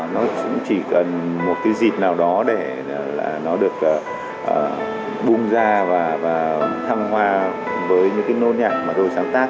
nó cũng chỉ cần một cái dịp nào đó để là nó được bung ra và thăng hoa với những cái nôn nhạc mà tôi sáng tác